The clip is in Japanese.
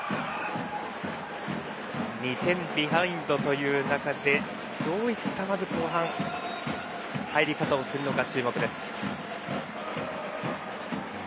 ２点ビハインドという中で後半どういった入り方をするか注目です。